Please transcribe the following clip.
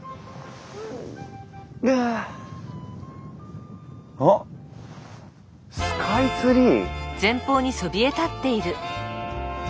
あ！あっスカイツリー！